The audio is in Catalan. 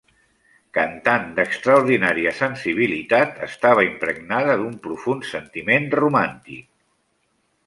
Cantant d'extraordinària sensibilitat, estava impregnada d'un profund sentiment romàntic.